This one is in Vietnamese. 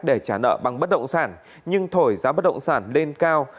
để trả nợ bằng bất động sản nhưng thổi giá bất động sản lên cao